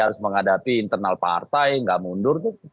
harus menghadapi internal partai nggak mundur tuh